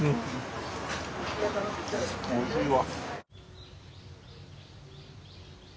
おいしいわ。